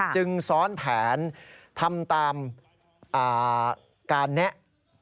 ซ้อนแผนทำตามการแนะ